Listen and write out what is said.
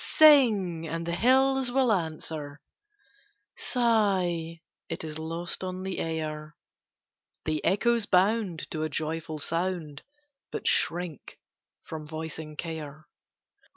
Sing, and the hills will answer; Sigh, it is lost on the air; The echoes bound to a joyful sound, But shrink from voicing care.